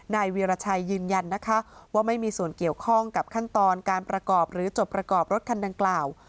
วีรชัยยืนยันนะคะว่าไม่มีส่วนเกี่ยวข้องกับขั้นตอนการประกอบหรือจบประกอบรถคันดังกล่าว